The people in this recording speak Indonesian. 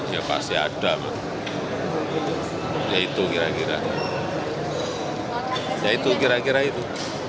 ya pasti ada ya itu kira kira ya itu kira kira itu